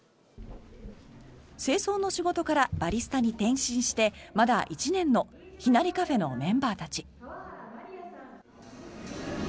清掃の仕事からバリスタに転身してまだ１年のＨＩＮＡＲＩＣＡＦＥのメンバーたち。